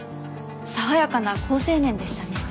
爽やかな好青年でしたね。